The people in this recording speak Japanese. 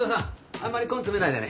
あんまり根詰めないでね。